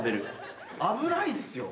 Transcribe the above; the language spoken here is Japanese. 危ないですよ。